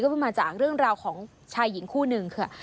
มันมาจากเรื่องราวของชายหญิงคู่หนึ่งค่ะ